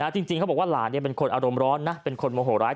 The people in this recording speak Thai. จริงเขาบอกว่าหลานเป็นคนอารมณ์ร้อนนะเป็นคนโมโหร้าย